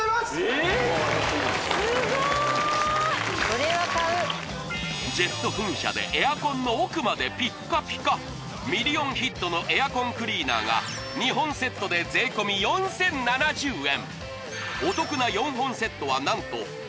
えっすごーいジェット噴射でエアコンの奥までピッカピカミリオンヒットのエアコンクリーナーが２本セットで税込４０７０円